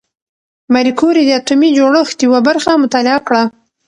ماري کوري د اتومي جوړښت یوه برخه مطالعه کړه.